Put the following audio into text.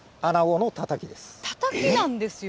たたきなんですよ。